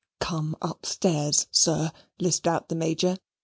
"Come upstairs, sir," lisped out the Major.